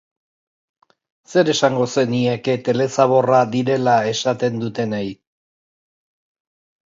Zer esango zenieke telezaborra direla esaten dutenei?